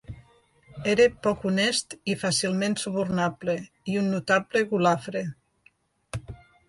Era poc honest i fàcilment subornable, i un notable golafre.